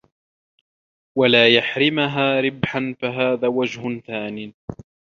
وَلَا يَحْرِمَهَا رِبْحًا فَهَذَا وَجْهٌ ثَانٍ